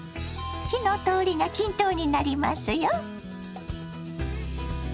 火の通りが均等になりますよ。